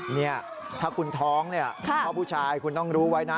นี่ถ้าคุณท้องพ่อผู้ชายคุณต้องรู้ไว้นะ